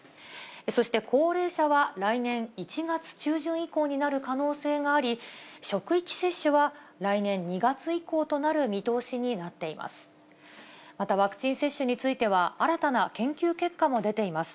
そして高齢者は来年１月中旬以降になる可能性があり、職域接種は来年２月以降となる見通しになっています。